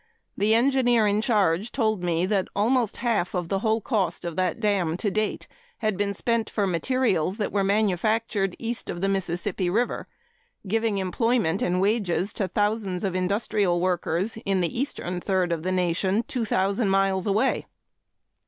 The engineer in charge told me that almost half of the whole cost of that dam to date had been spent for materials that were manufactured east of the Mississippi River, giving employment and wages to thousands of industrial workers in the eastern third of the nation, two thousand miles away.